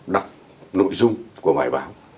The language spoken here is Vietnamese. đọc nội dung của bài báo